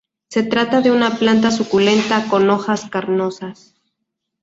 Se trata de una planta suculenta, con hojas carnosas.